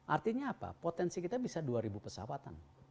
artinya apa potensi kita bisa dua ribu pesawatan